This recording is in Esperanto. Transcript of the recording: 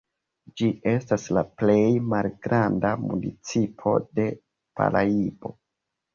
Ĝi estas la plej malgranda municipo de Paraibo.